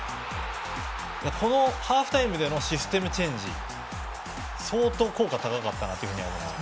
このハーフタイムでのシステムチェンジ相当効果が高かったなというふうに感じました。